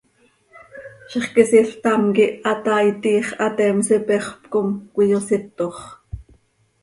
Zixquisiil ctam quih hataai, tiix hateems ipexöp com cöiyositox.